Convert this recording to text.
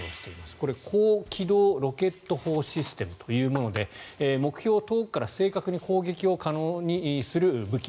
これ、高機動ロケット砲システムというもので目標を遠くから正確に攻撃可能にする武器。